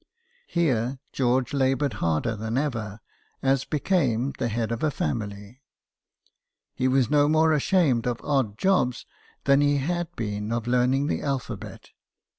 Here George laboured harder than ever, as became the head of a family. He was no more ashamed of odd jobs than he had been of learning the alphabet.